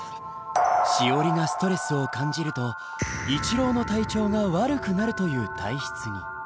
しおりがストレスを感じると一郎の体調が悪くなるという体質に。